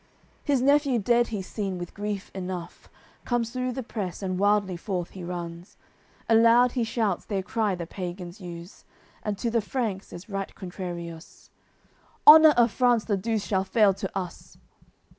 His nephew dead he's seen with grief enough, Comes through the press and wildly forth he runs, Aloud he shouts their cry the pagans use; And to the Franks is right contrarious: "Honour of France the Douce shall fall to us!"